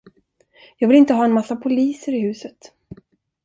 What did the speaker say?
Jag vill inte ha en massa poliser i huset.